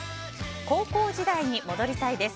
高校時代に戻りたいです。